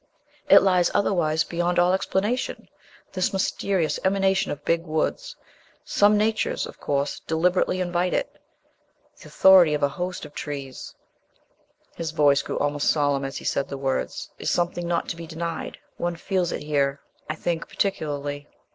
It lies otherwise beyond all explanation, this mysterious emanation of big woods. Some natures, of course, deliberately invite it. The authority of a host of trees," his voice grew almost solemn as he said the words "is something not to be denied. One feels it here, I think, particularly."